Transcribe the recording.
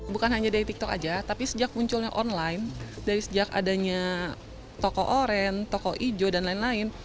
bukan hanya dari tiktok aja tapi sejak munculnya online dari sejak adanya toko orange toko hijau dan lain lain